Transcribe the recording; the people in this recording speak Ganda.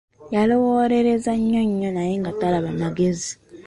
Yalowoolereza nnyo nnyo naye nga talaba magezi.